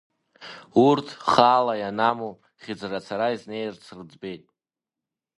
Урҭ, хаала ианаму, хьыӡрацара изнеирц рӡбеит.